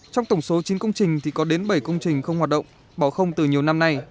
trong tổng số chín công trình thì có đến bảy công trình không hoạt động bỏ không từ nhiều năm nay